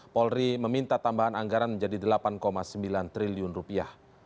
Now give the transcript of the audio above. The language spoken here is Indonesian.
polri meminta tambahan anggaran menjadi delapan sembilan triliun rupiah